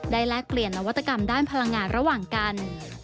แลกเปลี่ยนนวัตกรรมด้านพลังงานระหว่างกัน